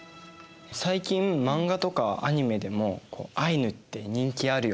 最近漫画とかアニメでもアイヌって人気あるよね。